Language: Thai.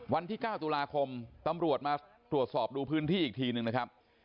วันที่๙ตุลาคมตำรวจมาตรวจสอบดูพื้นที่อีกทีหนึ่งนะครับ